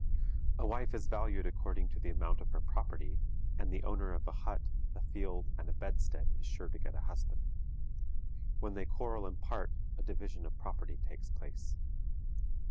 A wife is valued according to the amount of her property, and the owner of a hut, a field, and a bedstead is sure to get a husband. When they quarrel and part, a division of property takes place.